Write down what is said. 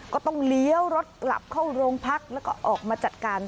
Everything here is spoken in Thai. ก็ต้องเลี้ยวรถกลับเข้าโรงพักแล้วก็ออกมาจัดการ